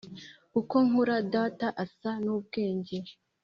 “uko nkura, data asa n'ubwenge.”